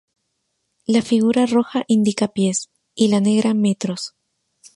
La figura roja indica pies y la negra metros.